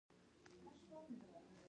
دا وېش د فرصتونو او سرچینو دی.